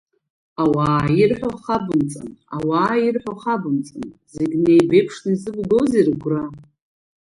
Ауаа ирҳәо хабымҵан, ауаа ирҳәо хабымҵан, зегь неибеиԥшны изыбгозеи рыгәра?!